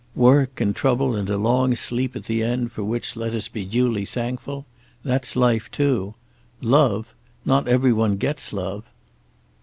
"Work and trouble, and a long sleep at the end for which let us be duly thankful that's life, too. Love? Not every one gets love."